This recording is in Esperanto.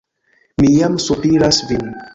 Mi jam sopiras vin.